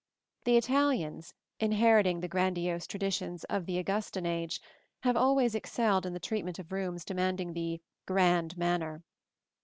The Italians, inheriting the grandiose traditions of the Augustan age, have always excelled in the treatment of rooms demanding the "grand manner."